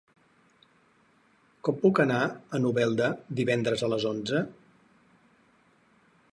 Com puc anar a Novelda divendres a les onze?